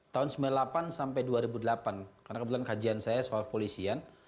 tahun sembilan puluh delapan sampai dua ribu delapan karena kebetulan kajian saya soal polisian